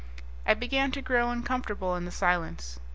I began to grow uncomfortable in the silence.